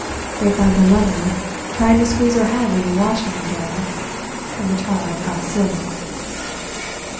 They found her mother trying to squeeze her head in the wash hand jug, and the child's half silly."